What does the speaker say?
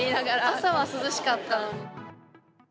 朝は涼しかったのに。